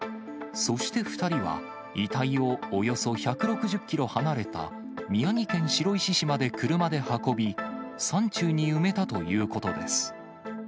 そして２人は、遺体をおよそ１６０キロ離れた宮城県白石市まで車で運び、山中に埋めたということです。